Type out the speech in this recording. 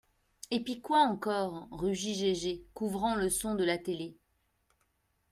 Et pis quoi, encore ? rugit Gégé, couvrant le son de la télé